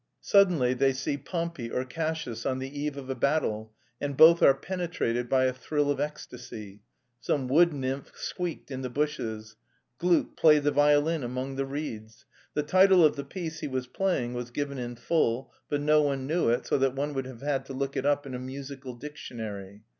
Suddenly they see Pompey or Cassius on the eve of a battle, and both are penetrated by a thrill of ecstasy. Some wood nymph squeaked in the bushes. Gluck played the violin among the reeds. The title of the piece he was playing was given in full, but no one knew it, so that one would have had to look it up in a musical dictionary.